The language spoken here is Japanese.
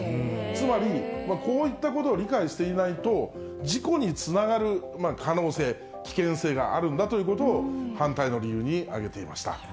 つまり、こういったことを理解していないと事故につながる可能性、危険性があるんだということを反対の理由に挙げていました。